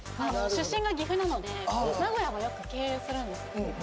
出身が岐阜なので名古屋はよく経由するんです